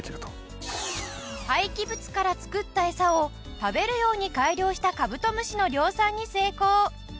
廃棄物から作った餌を食べるように改良したカブトムシの量産に成功。